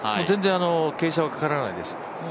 全然傾斜はかからないです。